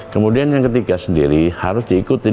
kemudian yang ketiga sendiri harus diikuti